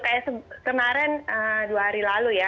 kayak kemarin dua hari lalu ya